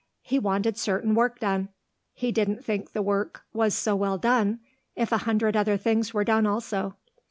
He wanted certain work done. He didn't think the work was so well done if a hundred other things were done also.